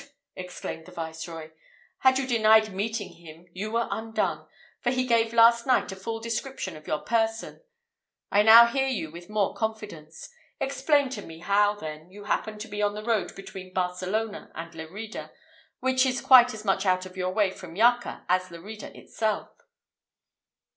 exclaimed the Viceroy. "Had you denied meeting him you were undone, for he gave last night a full description of your person. I now hear you with more confidence. Explain to me how, then, you happened to be on the road between Barcelona and Lerida, which is quite as much out of your way from Jacca as Lerida itself."